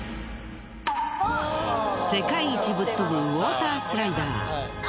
世界一ぶっとぶウォータースライダー。